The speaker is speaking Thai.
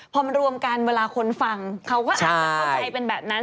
พอมันรวมกันเวลาคนฟังเขาก็อาจจะเข้าใจเป็นแบบนั้น